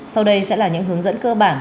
sau đây sẽ là những hướng dẫn cơ bản